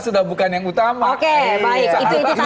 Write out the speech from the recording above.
sudah bukan yang utama oke baik